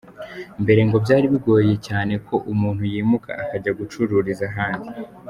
Mbere, ngo byari bigoye cyane ko umuntu yimuka akajya gucururiza ahandi.